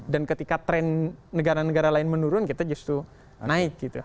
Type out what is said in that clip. dan ketika tren negara negara lain menurun kita justru naik gitu